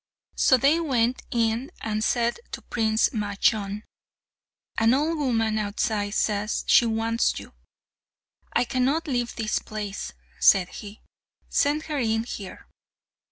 So they went in and said to Prince Majnun, "An old woman outside says she wants you." "I cannot leave this place," said he; "send her in here."